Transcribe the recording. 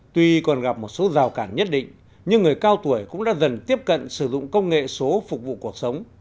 tuy còn gặp một số rào cản nhất định nhưng người cao tuổi cũng đã dần tiếp cận sử dụng công nghệ số phục vụ cuộc sống